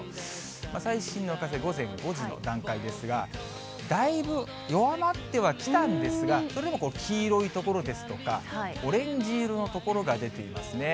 最新の風、午前５時の段階ですが、だいぶ弱まってはきたんですが、それでも黄色い所ですとか、オレンジ色の所が出ていますね。